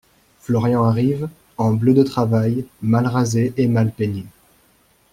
Florian arrive, en bleu de travail, mal rasé et mal peigné.